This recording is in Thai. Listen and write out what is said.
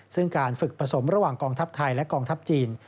ซึ่งการฝึกผสมระหว่างกองทัพไทยและกองทัพจีน